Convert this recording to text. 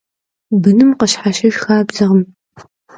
Bınım khışheşıjj xabzekhım.